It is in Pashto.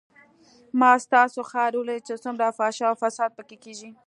ما ستاسو ښار وليد چې څومره فحشا او فساد پکښې کېږي.